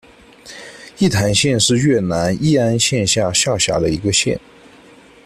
义坛县是越南乂安省下辖的一个县。